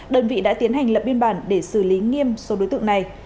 đơn vị đã tiến hành lập biên bản để xử lý nghiêm số đối tượng này